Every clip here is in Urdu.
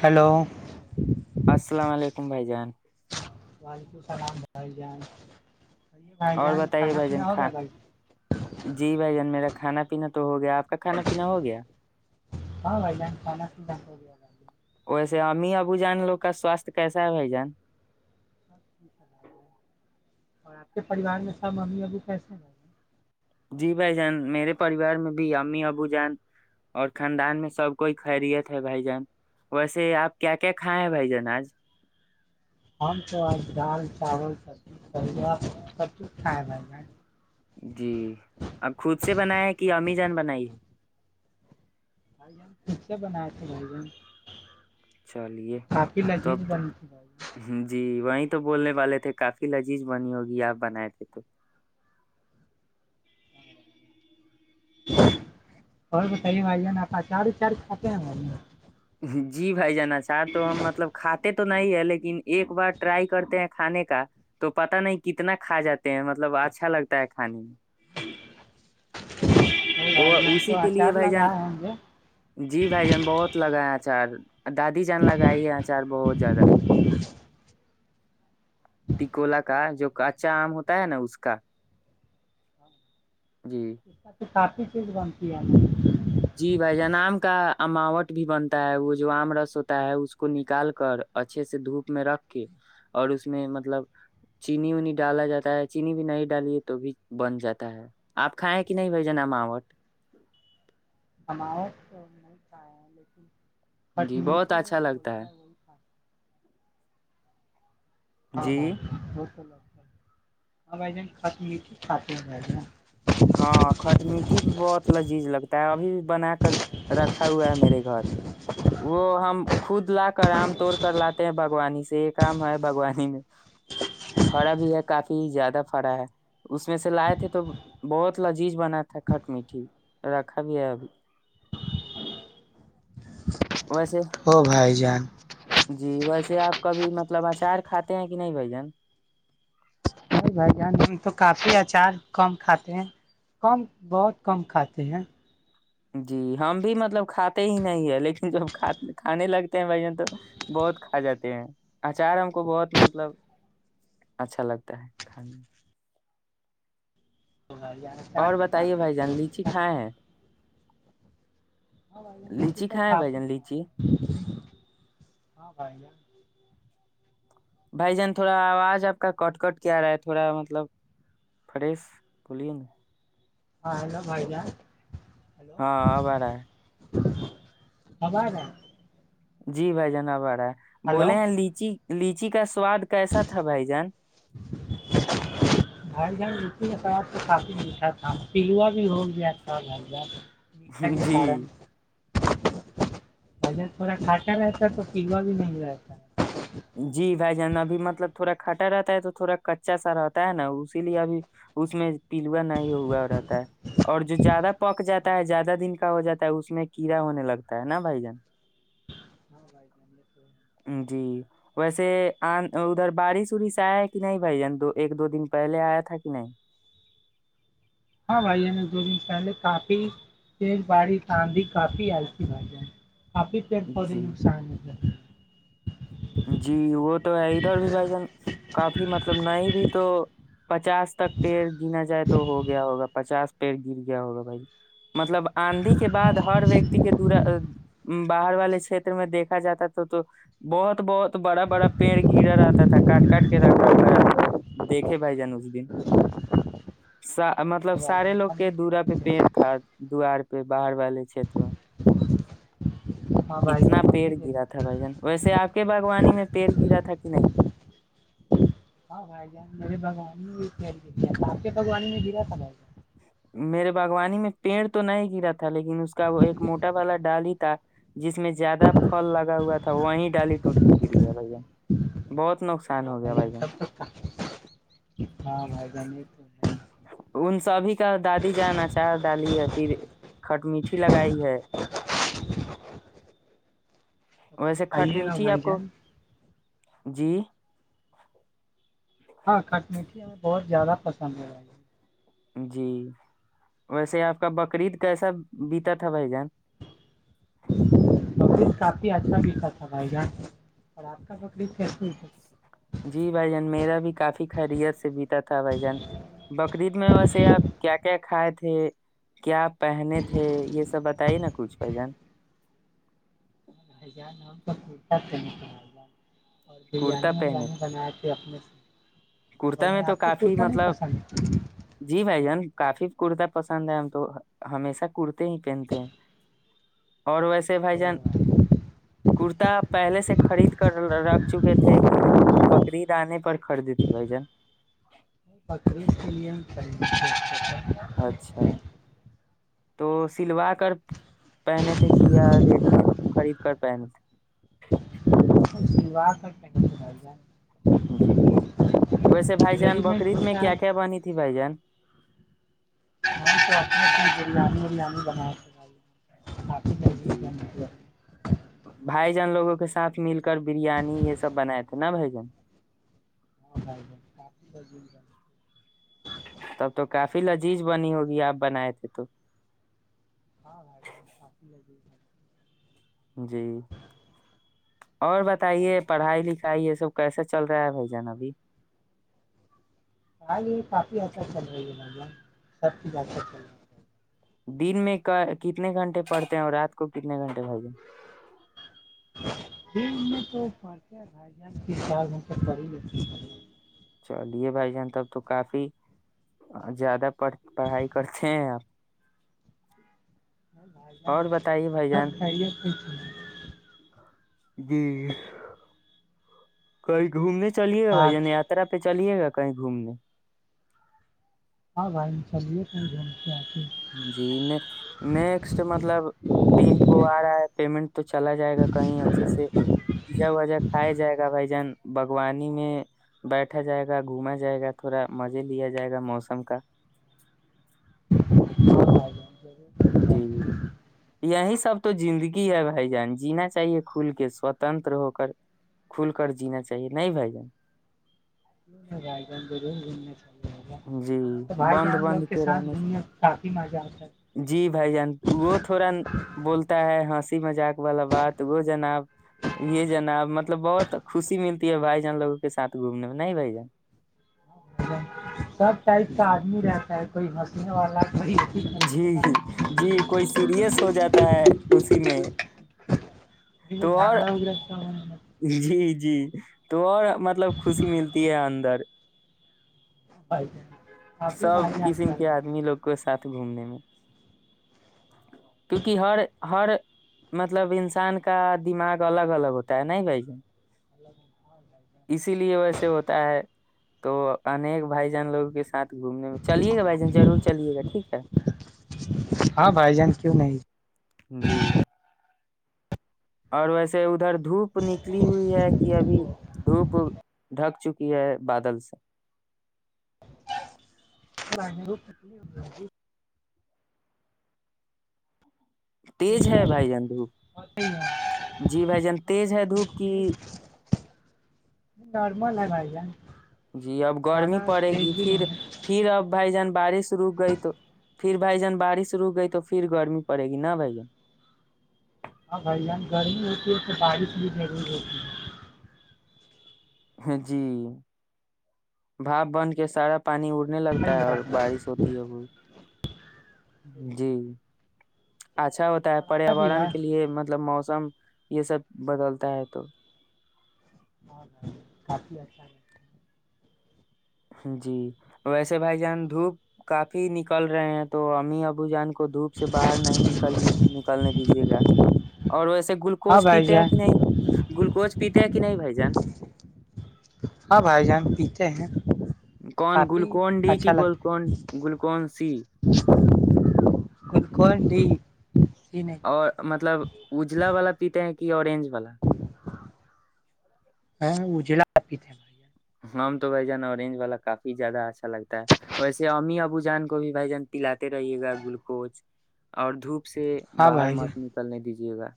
ہیلو السلام علیکم [unintelligible] [unintelligible] اور جان بتائیے کھانا بھ جن پینا ہو کا گیا بھائی جی بھ جان میرا کھانا پینا تو ہو گیا آپ کا کھانا پینا ہو گیا ہاں بھائی جان کھانا پینا ہو گیا بھائی جان ویسے ا ابو جان لوگ کا سواستھ کیسا ہے بھائی جان جائے اور آپ کے پوار میں سب ممی ابو کیسے ہیں [unintelligible] جی بھائی جان میرے پریوار میں بھی امی ابو جان اور خاندان میں سب کوئی خریت ہے بھائی جان ویسے آپ کیا کیا کھائے ہیں بھائی جان آج ہم تو آج دال چاول سبزی تیا سب چز کھائےیں بھائی [unintelligible] جی آپ خود سے بنائے کہ امی جان بنائی ہے بھائی جان خب سے بنایا تھے بھائی جان [unintelligible] چلیے کافی تب لذیذ تو بنی تھی بھائی جان جی وہیں تو بولنے والے تھے کافی لذیذ بنی ہوگی آپ بنائے تھے تو اور تو صحی بھائی ہے نا چار چار کھاتے ہیں جانا چاہ تو ہم مطلب کاتے تھ تو نہیں ہے لیکن ایک بار ٹرائی کرتے ہیں کھانے کا تو پتا نہیں کتنا کھا جاتے ہیں مطلب اچھا لگتا ہے کھانے میں [unintelligible] وہ جان اسی تو کے لیے اچار بھائی جان لگائے ہوں گے جی بھائی جان بہت لگایا تھا اچار دادی جان لگائی ہے آچار بہت زیادہ [unintelligible] ٹکولا کا جو کچا آم ہوتا ہے نا اس کا ہاں جی کافی چیز بنتی ہے ہم جی بھائی جان آم کا اماوٹ بھی بنتا ہے وہ جو آم رس ہوتا ہے اس کو نکال کر اچھے سے دھوپ میں رکھ کے اور اس میں مطلب چینی ونی ڈالا جاتا ہے چینی بھی نہیں ڈالیے تو بھی بن جاتا ہے آپ کھائیں کہ نہیں بھائی جان اماوٹ ہمار تو نہیں پایا ہے لیکن بٹ جی م بہت تو م اچھا لگتا بولتا ہے وہ تھا [unintelligible] ہاں ہاں جی بت [unintelligible] ہاں بائی جان خات م ت خات بھ ج [unintelligible] ہاں کھٹ میٹھی بھی بہت لذیذ لگتا ہے ابھی بھی بنا کر رکھا ہوا ہے میرے گھر وہ ہم خود لا آام توڑ کر لاتے ہیں باگوانی سے یہ کام ہے باوانی میں فڑا بھی ہے کافی زیادہ فڑا ہے اس میں سے لائے تھے تو بہت لذیذ بنا تھا کھٹ میٹھی رکھا بھی ہے ابھی ویسے ہو بھائی جان جی ویسے آپ کبھی مطلب اچار کھاتے ہیں کہ نہیں بھ جن نہیں بھائی جان ہم تو کافی اچار کم کھاتے ہیں کم بہت کم کھاتے ہیں جی ہم بھی مطلب کھاتے ہی نہیں ہے لیکن جبھ کھانے لگتے ہیں بھن تو بہت کھا جاتے ہیں اچار ہم کو بہت مطلب اچھا لگتا ہے کھانے بھائی جان اچار اور تو بتائیے کافی بھائی اچھا جان لیچی لگتا ہے کھائے ہیں ہاں بائی لیچی تو کھائے ہیں تھا بھائی کھ جان لیچی ہاں بھ گیا [unintelligible] بھائی جان تھوڑا آواز آپ کا کٹ کٹ کیا رہا ہے تھوڑا مطلب فریش بولیے نا ہاں ہیلو بھائی جان ہاں آ ب رہ ہے [unintelligible] آبا رہا [inaudible] جی بھائی جناب آ رہا ہے بولے ہیں لیچی ل لیچی کا [unintelligible] سواد کیسا تھا بھائی جان س آپ تو کافی میٹھا تھا پلوا بھی ہو گیا تھا گھر [unintelligible] جی مجے تھوڑا کھٹا رہتا ہے تو پیوا بھی نہیںل رہتا [unintelligible] جی بھائی جان ابھی مطلب تھوڑا کھٹا رہتا ہے تو تھوڑا کچا سا رہتا ہے نا اسی لیے ابھی اس میں پلوا نہیں ہوا رہتا ہے اور جو زیادہ پک جا ہاں ہے زیادہ دن [unintelligible] ہو جاتا ہے اس میں کیڑا ہونے لگتا ہے نا بھائی جان ہاں بائی ج [unintelligible] [inaudible] جی ویسے ادھر بارش وورش آیا کہ نہیں بھائی دو ایک دو دن پہلے آیا تھا کہ نہیں ہاں بھائی دو دن پہلے کافی تیل بڑی آاندھی کافی آئی تھی بھائی آی پھر تھوڑی جی نقصان ہے ہے [unintelligible] جی وہ تو ہے ادھر بھی بھائی جان کافی مطلب نہیں بھی تو پچاس تک پیڑ گناا جائے تو ہو گیا ہوگا پچاس پیڑ گر گیا ہوگا بھائی مطلب آندھی کے بعد ہر ویکتی کے دور باہر والے چھیتر میں دیکھا جاتا تو تو بہت بہت بڑا بڑا پیڑ گرا رہتا تھا کاٹ کاٹ کے رکھا ہوا رہتا دیکھے بھائی جان اس دن سا مطلب ہاں بھائی سارے جان لگ ہم کے بھی دورا پہ دیکھے پیڑ تھے تھا دووار پہ باہر والے چھیتر میں [inaudible] ہاں [unintelligible] بھائی اتنا جان ہم پیڑ بھی گرا دیکھے تھا تھا تھے بھائی جان ویسے آ کے کے باغوانی میں پییر گرا تھا کہ نہیں ہاں بھ جان میرے بگوانی آ کے بگوانی میں گلاا تھا بھ جان [inaudible] میرے باوانی میں پیڑ تو نہیں گرا تھا لیکن لن اس کا وہ ایک موٹا والا ڈال ہی تھا جس میں زیادہ پھل لگا ہوا تھا وہیں ڈالی ٹوٹ کے گر گیا بھیا بہت نقصان ہو گیا بھائی جان ہاں بھائی ج نہیں تو [inaudible] ان سبھی کا دادی جاناچ چار ڈالی یا پھر کھٹ میٹھی لگائی ہے [unintelligible] تو ویسے کھٹ کھائیے گا میٹھی بھائی آپ کو جان جی ہاں کھٹ میٹھی ہمیں بہت زیادہ پسند ہےا [inaudible] جی ویسے آپ کا بقرید کیسا بیتا تھا بھائی جان بکریب کافی اچھا لکھا تھا بھائی جان اور آپ کا بکریید کیسیھی جی بھائی جان میرا بھی کافی خیریت سے بیتا تھا بھ جان بقرید میں ویسے آپ کیا کیا کھائے تھے کیا پہنے تھے یہ سب بتائیے نا کچھ بھائی جان ہ جارام تو پتا نہیں اور کرتا بریانی پہنے وریانی بنائے تھے اپنے سے بھائی کرتا میں جان تو آپ کو کافی کرتا نہیں مطلب پسند جی بھائی کافی کرتا پسند ہے ہم تو ہمیشہ کرتے ہی پہنتے ہیں اور ویسے بھائی جان تو کرتا پہلے سے خرید کر رکھ چکے تھے کہ بقرریید آنے پر خریدتے بھائی جان پ اچھا تو سلوا کر پہنے تھے کہ یا ریڈی میڈ خرید کر پہنے تھے سیوا کر پہنچ رہ جائے جی ویسے بھائی جان ریڈی میڈ بکرید میں کرتا کیا ہے کیا بنی تھی بھائی جان نہیں تونینی بریانی بریانی بنا جی بھائی جان لوگوں کے س ساتھ مل کر بریانی یہ سب بنائے تھے نا بھجن ہاں بھ بائی کافی ب تب تو کافی لذیذ بنی ہوگی آپ بنائے تھے تو ہاں بھائی کافی لگی جی اور ہاں بتائیے بھائی جان پڑھائی لکھائی یہ سب کیسا چل رہا ہے بھائی جان ابھی ہ یہ کافی اھا چل رہی ہے بھائی سب چیز اھا چل رہی دن میں کتنے گھنٹے پڑھتے ہیں اور رات کو کتنے گھنٹے بائی ج ج ان میں تو پچ بھائی جان پڑی چلیے بھائی جان تب تو کافی زیادہ پ پڑھائی کرتے ہیں آپ جان اور بتائیے بھائی سب جان کائی کوئی گھومنے چلیے گا بھائی آج جنی یاتا پہ چلیے گا کہیں گھومنے وائم چلیے تو جھوم کے آتی جی نیکسٹ مطلب دن وہ آ رہا ہے پیمنٹ تو چلا جائے گا کہیں اچھے سے پیزا وا کھایا جائے گا بھائی جان باوانی میں بیٹھا جائے گا گھوما جائے گا تھوڑا مزے لیا جائے گا موسم کا ہاں بھائی جان ضرور کیوں جی نہیں جی یہی سب تو زندگی ہے بھائی جان جینا چاہیے کھل کے سوتنتر ہو کر کھل کر جینا چاہیے نہیں بھائی جان رجان برن گھومنے چ جی بند بند کے ساتھ رہنے گھومنے میں کافی مزہ آتا ہے سے جی بھائی جان وہ تھوڑا بولتا ہے ہنسی مذاق والا بات وہ جناب یہ جناب مطلب بہت تو خوشی ملتی ہے بھائی جان لوگوں کے ساتھ گھومنے میں نہیں بھائی جان سب ٹائپ کا آدمی رہتا ہے کوئی مستی نہ والارنا ہے جی جی جی کوئی سیریس ہو جاتا ہے اسی میں میں تو اور جھگڑا وگڑا سب جی جی تو مطلب خوشی ملتی ہے اندر ا آ ج سب قسم کے آدمی لوگ کو ساتھ گھومنے میں کیونکہ ہر ہر مطلب انسان کا دماغ الگ الگ ہوتا ہے نہیں بھائی الاں اسی لیے ویسے ہوتا ہے تو انیک بھائی جان لوگوں کے ساتھ گھومنے میں چلیے گا بھائی جان ضرور چلیے گا ٹھیک ہے ہاں بھائی جان کیوں نہیں جی اور ویسے ادھر دھوپ نکلی ہوئی ہے کہ ابھی دھوپ ڈھک چکی ہے بادل سے پی تیز ہے بھائی جان دھوپ جی بھائی جان تیز ہے دھوپ کی ج جی اب گرمی پڑے گی بھی پھر نہیں ہے پھر اب بھائی جان بارش رک گئی تو پھر بھائی جان بارش رک گئی تو پھر گرمی پڑے گی نہا بھائی جان ہاں بھائیان گرمی ہوتی ہے تو بارش بھی ضرور ہوتی ہے جی باپ بن کے سارا پانی اڑنے لگتا ہے اور بارش ہوتی ہے وہ جی اچھا ہوتا ہے اور ایسا بھی پریاورن ہے کے لیے مطلب موم سم یہ سب بدلتا ہے تو ہاں کاص س جی ویسے بھائی جان دھوپ کافی نکل رہے ہیں تو امی ابو جان کو دھوپ سے باہر نہیں نک نکلنے دیجیے گا اور ایسے ہاں گلوکوز بھائی پیتے ہیں جان کہ نہیں گلوکوز پتا کی نہیں بائی جان ہاں بھائی جان پیھتے ہیں کون کافی گلوکون ڈی کی اچھا لگتا گکون گلوکون سی ہے گلوکون ڈی نہیں اور مطلب اجلا والا پیتے ہیں کی آرینج والا ہاں اجلا آی تے بھ ہم تو بھائی جان اورنج والا کافی زیادہ اچھا لگتا ہے ویسے امی ابو جان کو بھی بھائی جان تلاات رہیے گا گلوکوز [unintelligible] اور دھوپ [unintelligible] سے ہاں باہر بھائی جان مت نکلنے دیجیے جیے گا [unintelligible]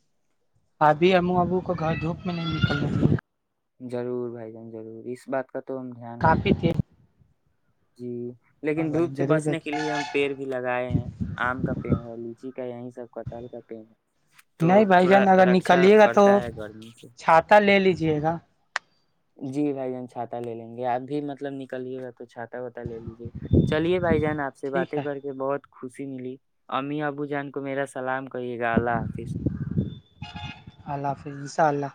ابھی امو ابو کو گھر دھوپ میں نہیں نکل رہ تھ ضرور بھائی جان ضرور اس بات کا تو دھیان رکھیں کافی [unintelligible] تیز جی ہاں لیکن بھائی دھوپ سے جان ضرور بچنے کے دیکھیے لیے ہم پیڑ بھی لگائے ہیں آم کا پیڑ ہے لچی کیا یہیں سب کتال کرتے ہیں نہیں بھائی جان اگر نکلیے گا تو کرتا ہے گرمی سے چھاتاتہ لے لیجی جیے گا [unintelligible] جی بھائی جان چاتا لے لیں گے آپ بھی مطلب نکلیے گا تو چھاتا ہوتا لے لیجے چلیے بھائی جان آپ سے ٹھیک باتیں ہے کر کے بہت خوشی ملی امی ابو جان کو میرا سلام کریے گا اللہ حافظ اللہ حافظ ان شاء اللہ